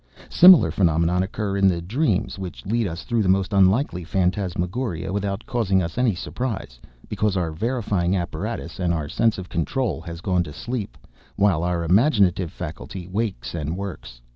Similar phenomena occur in the dreams which lead us through the most unlikely phantasmagoria, without causing us any surprise, because our verifying apparatus and our sense of control has gone to sleep, while our imaginative faculty wakes and works.